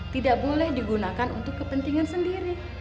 tidak boleh digunakan untuk kepentingan sendiri